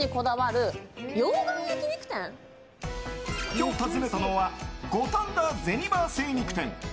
今日、訪ねたのは五反田銭場精肉店。